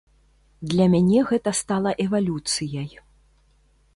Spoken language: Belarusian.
Для мяне гэта стала эвалюцыяй.